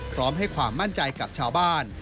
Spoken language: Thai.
พร้อมให้ความมั่นใจกับชาวบ้าน